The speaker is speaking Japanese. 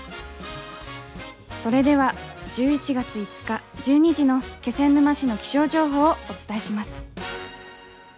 それでは１１月５日１２時の気仙沼市の気象情報をお伝えします。